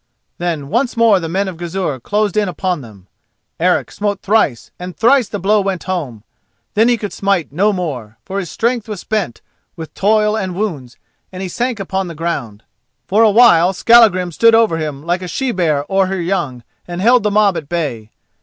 Then once more the men of Gizur closed in upon them. Eric smote thrice and thrice the blow went home, then he could smite no more, for his strength was spent with toil and wounds, and he sank upon the ground. For a while Skallagrim stood over him like a she bear o'er her young and held the mob at bay.